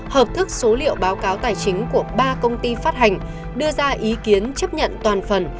hợp thức số liệu báo cáo tài chính của ba công ty phát hành đưa ra ý kiến chấp nhận toàn phần